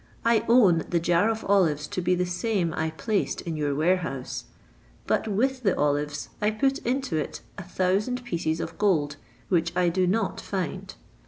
I own the jar of olives to be the same I placed in your warehouse; but with the olives I put into it a thousand pieces of gold, which I do not find.